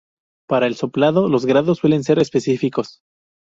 Para el soplado los grados suelen ser específicos.